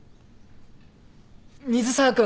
水沢君